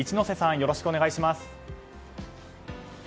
よろしくお願いします。